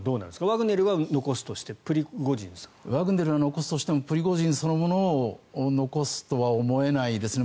ワグネルは残すとしてワグネルを残すとしてもプリゴジンそのものを残すとは思えないですね。